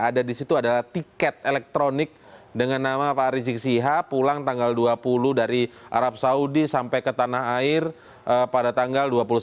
ada di situ adalah tiket elektronik dengan nama pak rizik sihab pulang tanggal dua puluh dari arab saudi sampai ke tanah air pada tanggal dua puluh satu